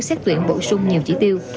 xét tuyển bổ sung nhiều chỉ tiêu